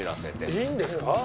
長嶋：いいんですか？